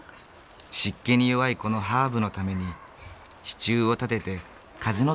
湿気に弱いこのハーブのために支柱を立てて風の通り道を作る。